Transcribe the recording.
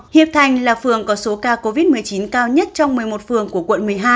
hiệp thành là phường có số ca covid một mươi chín cao nhất trong một mươi một phường của quận một mươi hai